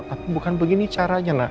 tapi bukan begini caranya lah